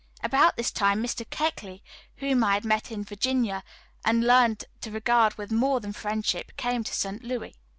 About this time Mr. Keckley, whom I had met in Virginia, and learned to regard with more than friendship, came to St. Louis.